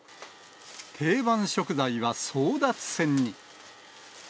定番食材は争奪戦に。